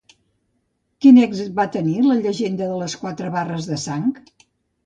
Quin èxit va tenir la llegenda de les quatre barres de sang?